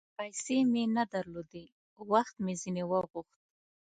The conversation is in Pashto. پیسې مې نه درلودې ، وخت مې ځیني وغوښت